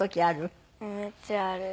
めっちゃある。